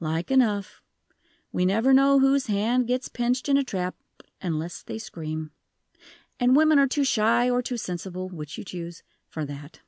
"Like enough. We never know whose hand gets pinched in a trap unless they scream. And women are too shy or too sensible which you choose for that."